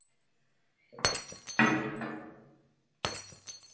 Definitivním hostitelem v tomto případě bývají kromě člověka i psi nebo hlodavci.